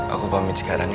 aku pamit sekarang ya